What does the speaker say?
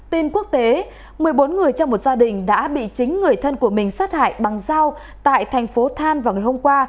tin quốc tế một mươi bốn người trong một gia đình đã bị chính người thân của mình sát hại bằng dao tại thành phố than vào ngày hôm qua